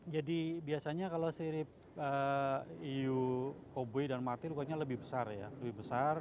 jadi biasanya kalau sirip iu koboi dan martir rukanya lebih besar ya lebih besar